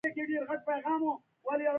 ګودره! دومره زوروره سیلۍ راغلله چې